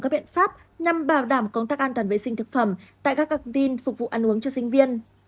các biện pháp nhằm bảo đảm công tác an toàn vệ sinh thực phẩm tại các cạc pin phục vụ ăn uống cho sinh viên